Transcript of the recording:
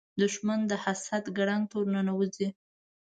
دښمن د حسد ګړنګ ته ورننوځي